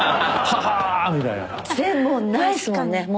もうないですもんね。